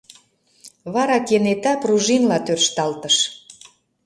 Вара кенета пружинла тӧршталтыш.